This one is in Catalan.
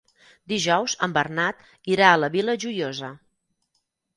Dijous en Bernat irà a la Vila Joiosa.